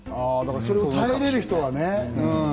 それが耐えられる人はね。